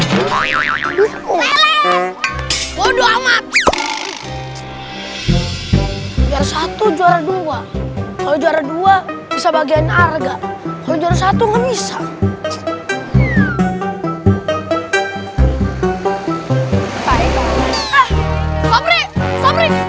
jualan satu juara dua kalau juara dua bisa bagian harga konjol satu ngemisah